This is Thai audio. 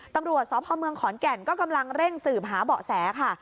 ตำรวจสพเมืองขอนแก่นก็กำลังเร่งสืบหาเบาะแสค่ะ